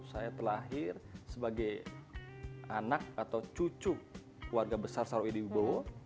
saya telahir sebagai anak atau cucu keluarga besar sarawet di yubowo